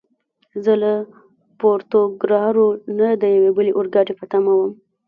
زه له پورتوګرارو نه د یوې بلې اورګاډي په تمه ووم.